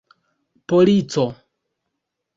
polico